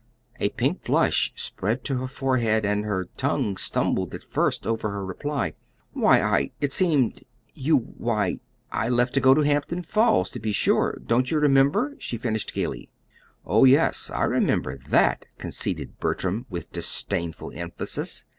A pink flush spread to her forehead, and her tongue stumbled at first over her reply. "Why, I it seemed you why, I left to go to Hampden Falls, to be sure. Don't you remember?" she finished gaily. "Oh, yes, I remember THAT," conceded Bertram with disdainful emphasis.